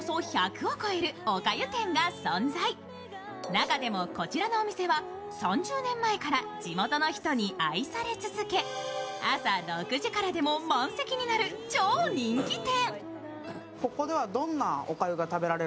中でもこちらのお店は３０年前から地元の人に愛され続け朝６時からでも満席になる超人気店。